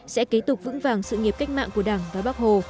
sẽ kế tục vững vàng sự nghiệp cách mạng của đảng và bắc hồ